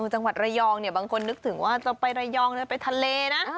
จังหวัดระยองบางคนนึกถึงว่าจะไประยองจะไปทะเลนะ